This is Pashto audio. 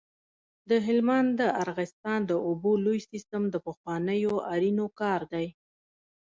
د هلمند د ارغستان د اوبو لوی سیستم د پخوانیو آرینو کار دی